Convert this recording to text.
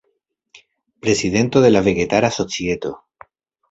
Prezidento de la Vegetara Societo.